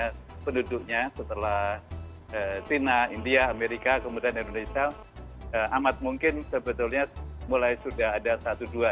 karena penduduknya setelah china india amerika kemudian indonesia amat mungkin sebetulnya mulai sudah ada satu dua